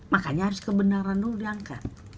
makanya harus kebenaran dulu diangkat